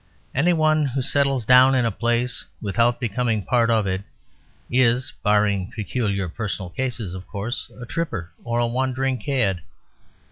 Any one who settles down in a place without becoming part of it is (barring peculiar personal cases, of course) a tripper or wandering cad.